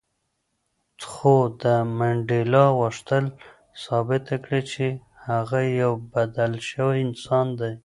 خو منډېلا غوښتل ثابته کړي چې هغه یو بدل شوی انسان دی.